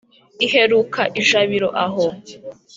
iheruka ijabiro aho.